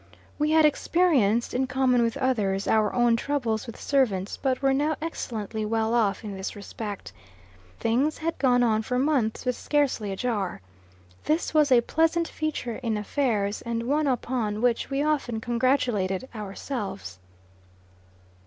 We had experienced, in common with others, our own troubles with servants, but were now excellently well off in this respect. Things had gone on for months with scarcely a jar. This was a pleasant feature in affairs, and one upon which we often congratulated ourselves.